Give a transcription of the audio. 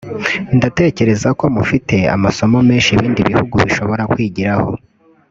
ndatekereza ko mufite amasomo menshi ibindi bihugu bishobora kwigiraho